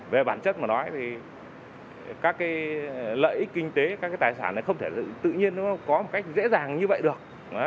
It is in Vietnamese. về bản chất mà nói thì các lợi ích kinh tế các tài sản này không thể tự nhiên có một cách dễ dàng như vậy được